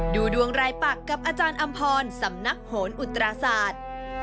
ดูดวงรายปักกับอาจารย์อำพรสำนักโหนอุตราศาสตร์